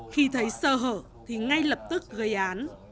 khi thấy sơ hở thì ngay lập tức gây án